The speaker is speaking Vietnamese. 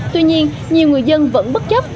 tuy nhiên nhiều người dân vẫn bất chấp